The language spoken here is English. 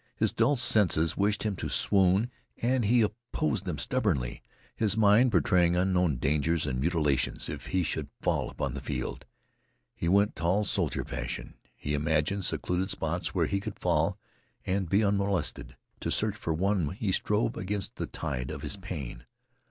His dulled senses wished him to swoon and he opposed them stubbornly, his mind portraying unknown dangers and mutilations if he should fall upon the field. He went tall soldier fashion. He imagined secluded spots where he could fall and be unmolested. To search for one he strove against the tide of his pain.